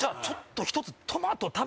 ちょっと１つトマト